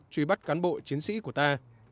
truy bắt cán bộ chiến sĩ của ta